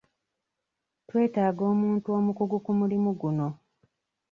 Twetaaga omuntu omukugu ku mulimu guno.